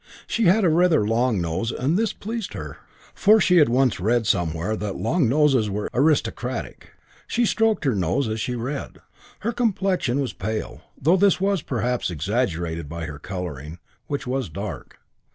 She had rather a long nose and this pleased her, for she once read somewhere that long noses were aristocratic. She stroked her nose as she read. Her complexion was pale, though this was perhaps exaggerated by her colouring, which was dark.